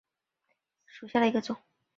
缩梗乌头为毛茛科乌头属下的一个种。